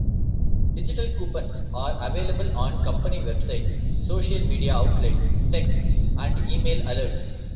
Digital coupons are available on company websites, social media outlets, texts, and email alerts.